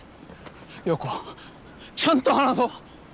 陽子ちゃんと話そう。